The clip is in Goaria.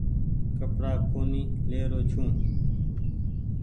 ڪپڙآ ڪونيٚ لي رو ڇي۔